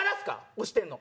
推してんの。